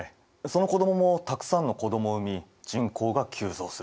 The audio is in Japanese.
その子どももたくさんの子どもを産み人口が急増する。